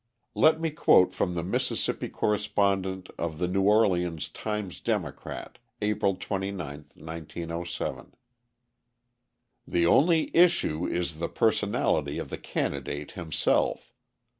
Let me quote from the Mississippi correspondent of the New Orleans Times Democrat, April 29, 1907: The only "issue" ... is the personality of the candidate himself.